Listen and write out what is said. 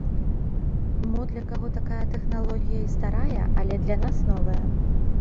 Мо, для каго такая тэхналогія і старая, але для нас новая.